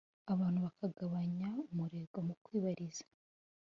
abantu bakagabanya umurego mu kwibariza,